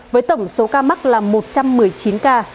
với tổng số ca mắc là một trăm một mươi chín ca